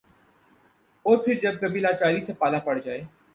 اور پھر جب کبھی لاچاری سے پالا پڑ جائے ۔